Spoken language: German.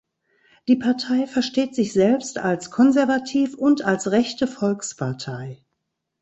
Die Partei versteht sich selbst als konservativ und als „rechte Volkspartei“.